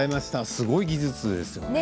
すごい技術ですね。